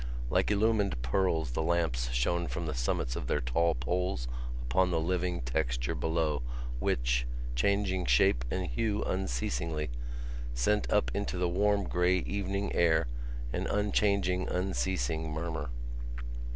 Like illumined pearls the lamps shone from the summits of their tall poles upon the living texture below which, changing shape and hue unceasingly, sent up into the warm grey evening air an unchanging unceasing murmur.